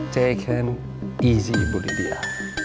saya tidak akan macem macem sama pangeran